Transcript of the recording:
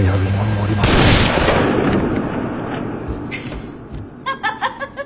フハハハハハッ！